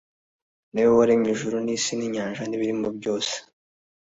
Niwe waremye ijuru n’isi n’inyanja nibirimo byose